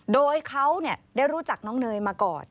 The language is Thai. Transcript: โดยเขาได้รู้จักน้องเนยมาก่อน